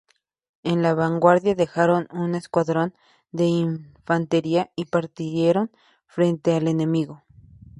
En la vanguardia dejaron un escuadrón de infantería y partieron frente al enemigo.